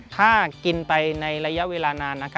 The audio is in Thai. ถ้ามากินใบสดในระยะไว้นาน